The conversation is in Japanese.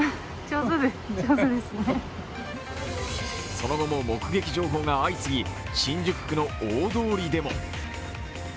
その後も目撃情報が相次ぎ、新宿区の大通りでも。